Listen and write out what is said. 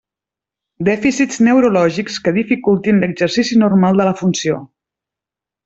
Dèficits neurològics que dificultin l'exercici normal de la funció.